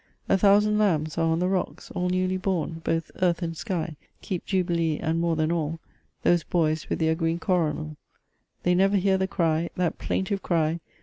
A thousand lambs are on the rocks, All newly born! both earth and sky Keep jubilee, and more than all, Those boys with their green coronal; They never hear the cry, That plaintive cry!